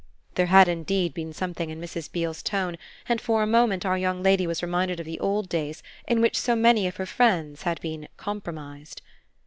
There had indeed been something in Mrs. Beale's tone, and for a moment our young lady was reminded of the old days in which so many of her friends had been "compromised."